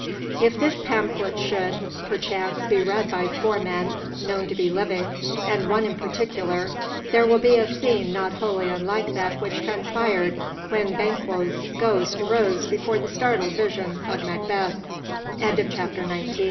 If this pamphlet should, perchance, be read by four men known to be living and one in particular, there will be a scene not wholly unlike that which transpired when Banquo's ghost arose before the startled vision of Macbeth. BILL THOMPSON'S FATAL SURPRISE.